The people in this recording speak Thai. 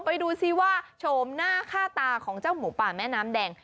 ไปดูซิว่าโฉมหน้าค่าตาของเจ้าหมูป่าแม่น้ำแดง